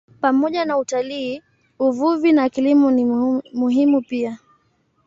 Pamoja na utalii, uvuvi na kilimo ni muhimu pia.